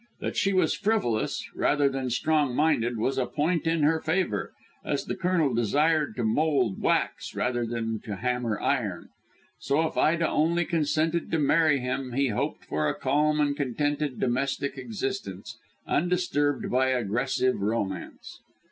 That she was frivolous, rather than strong minded, was a point in her favour, as the Colonel desired to mould wax rather than to hammer iron. So if Ida only consented to marry him he hoped for a calm and contented domestic existence, undisturbed by aggressive romance.